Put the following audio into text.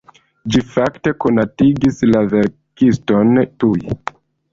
Ĝi fakte konatigis la verkiston tuj.